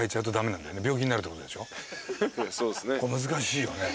難しいよね。